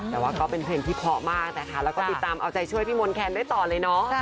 แต่ว่าก็เป็นเพลงที่เพาะมากนะคะแล้วก็ติดตามเอาใจช่วยพี่มนต์แคนได้ต่อเลยเนาะ